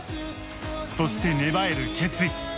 そして芽生える決意